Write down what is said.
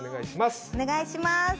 お願いします。